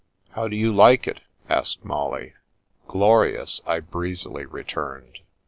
How do you like it ?" asked Molly. Glorious," I breezily returned.